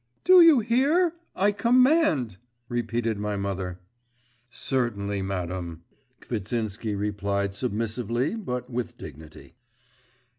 'Do you hear? I command!' repeated my mother. 'Certainly, madam,' Kvitsinsky replied submissively but with dignity.